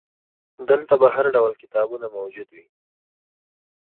دلته به هرډول کتابونه موجود وي.